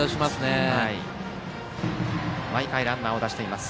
和歌山、毎回ランナーを出しています。